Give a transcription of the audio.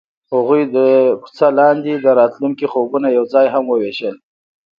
هغوی د کوڅه لاندې د راتلونکي خوبونه یوځای هم وویشل.